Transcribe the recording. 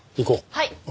はい！